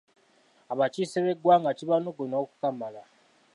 Abakiise b’eggwanga kibanuguna okukamala.